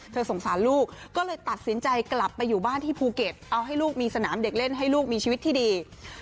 สงสารลูกก็เลยตัดสินใจกลับไปอยู่บ้านที่ภูเก็ตเอาให้ลูกมีสนามเด็กเล่นให้ลูกมีชีวิตที่ดี